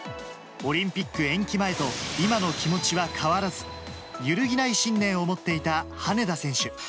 オリンピック延期前と今の気持ちは変わらず、揺るぎない信念を持っていた羽根田選手。